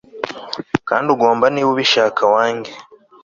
Kandi ugomba niba ubishaka wange